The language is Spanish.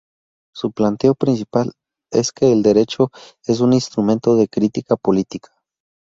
Su planteo principal es que el derecho es un instrumento de crítica política.